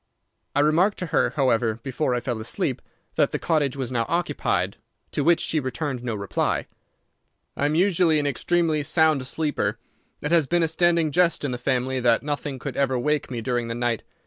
I remarked to her, however, before I fell asleep, that the cottage was now occupied, to which she returned no reply. "I am usually an extremely sound sleeper. It has been a standing jest in the family that nothing could ever wake me during the night.